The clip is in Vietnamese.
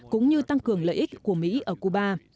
cũng như tăng cường lợi ích của mỹ ở cuba